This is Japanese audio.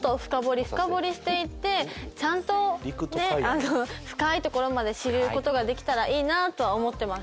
ちゃんと深いところまで知ることができたらいいなとは思ってます。